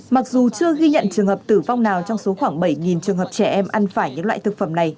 mặc dù chưa ghi nhận trường hợp tử vong nào trong số khoảng bảy trường hợp trẻ em ăn phải những loại thực phẩm này